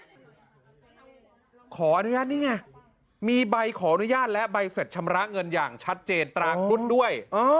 ขออนุญาตนี่ไงมีใบขออนุญาตและใบเสร็จชำระเงินอย่างชัดเจนตราครุ่นด้วย